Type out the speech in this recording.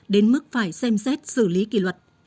đến mức phải xem xét xử lý kỷ luật